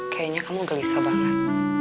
kayaknya kamu gelisah banget